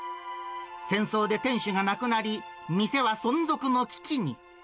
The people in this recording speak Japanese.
戦争で店主が亡くなり、店は存続の危機に。